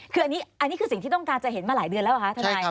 คืออันนี้คือสิ่งที่ต้องการจะเห็นมาหลายเดือนแล้วเหรอคะทนาย